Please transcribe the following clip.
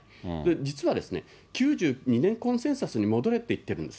実は９２年コンセンサスに戻れと言っているんです。